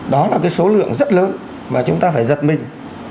đó là cái số lượng rất lớn mà chúng ta phải giật mình